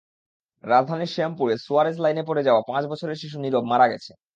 রাজধানীর শ্যামপুরে স্যুয়ারেজ লাইনে পড়ে যাওয়া পাঁচ বছরের শিশু নীরব মারা গেছে।